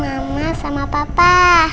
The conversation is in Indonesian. kau mau mama sama papa